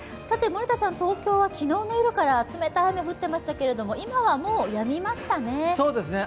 東京は昨日の夜から冷たい雨が降っていましたが今はもう、やみましたね。